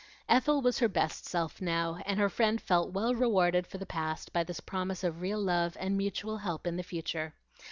Ethel was her best self now, and her friend felt well rewarded for the past by this promise of real love and mutual help in the future.